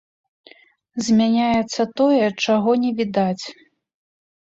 Змяняецца тое, чаго не відаць.